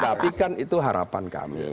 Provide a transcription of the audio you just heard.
tapi kan itu harapan kami